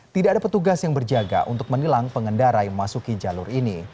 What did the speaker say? tidak ada petugas yang berjaga untuk menilang pengendara yang masuk ke jalur ini